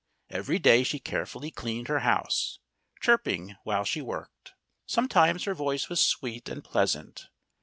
Every day she carefully cleaned her house, chirping while she worked. Sometimes her voice was sweet and pleasant.